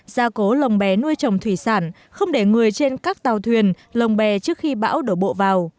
gia cố lồng bé nuôi trồng thủy sản không để người trên các tàu thuyền lồng bè trước khi bão đổ bộ vào